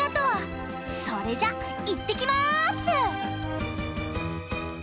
それじゃいってきます！